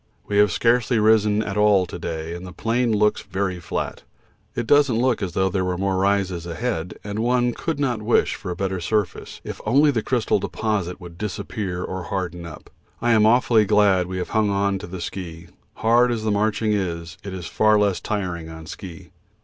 We have scarcely risen at all to day, and the plain looks very flat. It doesn't look as though there were more rises ahead, and one could not wish for a better surface if only the crystal deposit would disappear or harden up. I am awfully glad we have hung on to the ski; hard as the marching is, it is far less tiring on ski.